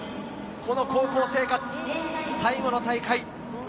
この高校生活最後の大会。